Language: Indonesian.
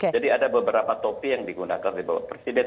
jadi ada beberapa topik yang digunakan oleh bapak presiden